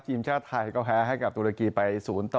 ทีมชาติไทยก็แพ้ให้กับตุรกีไป๐ต่อ